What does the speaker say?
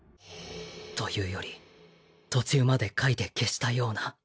というより途中まで書いて消したような